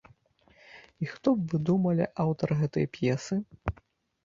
І хто б вы думалі аўтар гэтай п'есы?